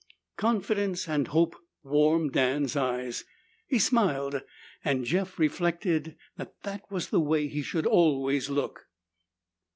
Confidence and hope warmed Dan's eyes. He smiled, and Jeff reflected that that was the way he should always look.